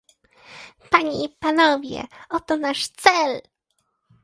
Panie i panowie, oto nasz cel